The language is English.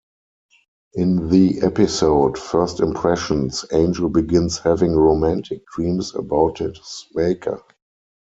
In the episode "First Impressions", Angel begins having romantic dreams about his maker.